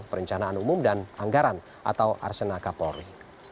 perencanaan umum dan anggaran atau arsena kapolri